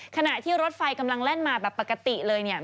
ขณะที่รถไฟกำลังแล่นมาแบบปกติเลยเนี่ย